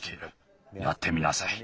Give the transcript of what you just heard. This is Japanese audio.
やってみなさい。